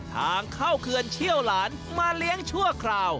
ทางเข้าเคือนเชี่ยวหลานมาเลี้ยงชั่วคราว